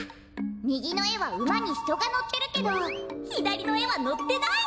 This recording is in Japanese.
みぎのえはうまにひとがのってるけどひだりのえはのってない！